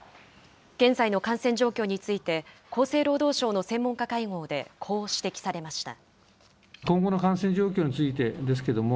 現在の感染状況について、厚生労働省の専門家会合でこう指摘されました。